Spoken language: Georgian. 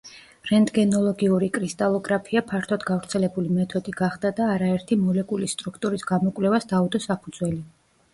რენტგენოლოგიური კრისტალოგრაფია ფართოდ გავრცელებული მეთოდი გახდა და არაერთი მოლეკულის სტრუქტურის გამოკვლევას დაუდო საფუძველი.